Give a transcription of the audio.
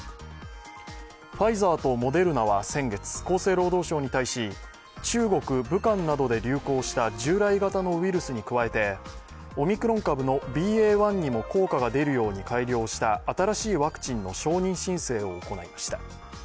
ファイザーとモデルナは先月、厚生労働省に対し中国・武漢などで流行した従来型のウイルスに加えてオミクロン株のＢＡ．１にも効果が出るように改良した新しいワクチンの承認申請を行いました。